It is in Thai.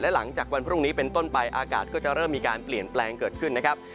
หลังจากวันพรุ่งนี้เป็นต้นไปอากาศก็จะเริ่มมีการเปลี่ยนแปลงเกิดขึ้นนะครับ